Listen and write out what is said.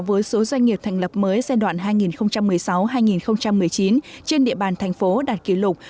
với số doanh nghiệp thành lập mới giai đoạn hai nghìn một mươi sáu hai nghìn một mươi chín trên địa bàn thành phố đạt kỷ lục